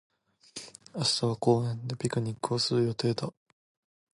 明日は公園でピクニックをする予定だ。